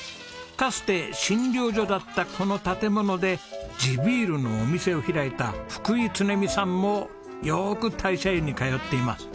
かつて診療所だったこの建物で地ビールのお店を開いた福井恒美さんもよーく大社湯に通っています。